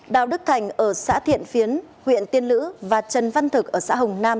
đào đức thành ở xã thiện phiến huyện tiên lữ và trần văn thực ở xã hồng nam